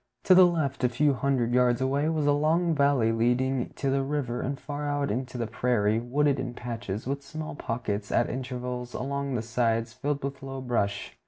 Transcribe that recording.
To the left, a few hundred yards away, was a long valley leading to the river and far out into the prairie, wooded in patches, with small pockets at intervals along the sides, filled with low brush.